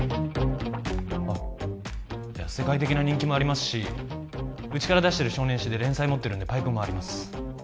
あっいや世界的な人気もありますしうちから出してる少年誌で連載持ってるんでパイプもあります